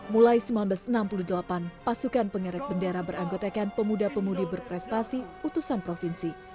mulai seribu sembilan ratus enam puluh delapan pasukan pengerek bendera beranggotakan pemuda pemudi berprestasi utusan provinsi